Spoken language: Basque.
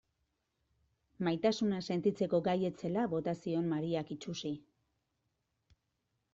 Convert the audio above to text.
Maitasuna sentitzeko gai ez zela bota zion Mariak itsusi.